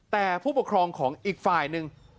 แต่ผู้ปกครองของอีกฝ่ายหนึ่ง